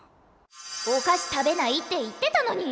お菓子食べないって言ってたのに。